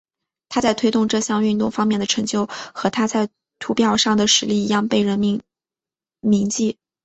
他在推动这项运动方面的成就和他在土俵上的实力一样被人们铭记。